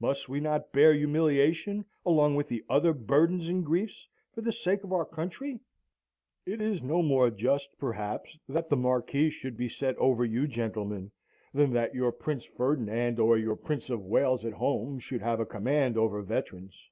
Must we not bear humiliation, along with the other burthens and griefs, for the sake of our country? It is no more just perhaps that the Marquis should be set over you gentlemen, than that your Prince Ferdinand or your Prince of Wales at home should have a command over veterans.